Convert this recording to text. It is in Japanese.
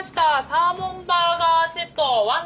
サーモンバーガーセットワンです。